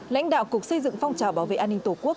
lãnh đạo cục xây dựng phong trào bảo vệ an ninh tổ quốc